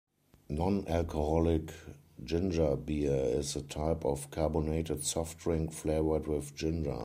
Non-alcoholic ginger beer is a type of carbonated soft drink flavoured with ginger.